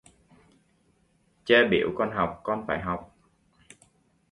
Cha biểu con học, con phải học